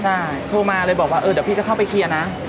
ใช่โทรมาเลยบอกว่าเออเดี๋ยวพี่จะเข้าไปเคลียร์นะ